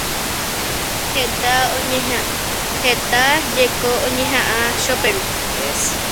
Heta jeko oñeha'ã Choperu.